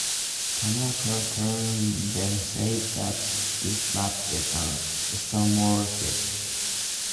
Tannaka's theorem then says that this map is an isomorphism.